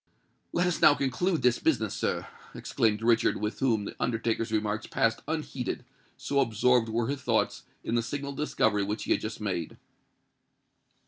"Let us now conclude this business, sir," exclaimed Richard, with whom the undertaker's remarks passed unheeded, so absorbed were his thoughts in the signal discovery which he had just made.